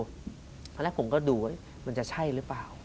วันแรกผมก็ดูว่ามันจะใช่หรือเปล่า